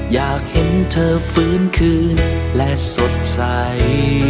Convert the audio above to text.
อยากเห็นเธอฟื้นคืนและสดใส